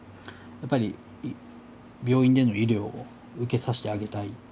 やっぱり病院での医療を受けさせてあげたい。